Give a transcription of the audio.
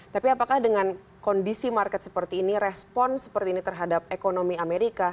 tapi apakah dengan kondisi market seperti ini respon seperti ini terhadap ekonomi amerika